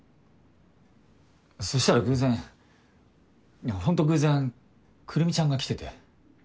そしたら偶然ほんと偶然くるみちゃんが来てて。